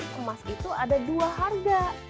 tapi emas itu ada dua harga